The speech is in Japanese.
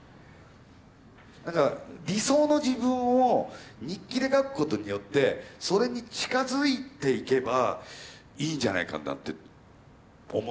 だから理想の自分を日記で書くことによってそれに近づいていけばいいんじゃないかなんて思ったんですよね。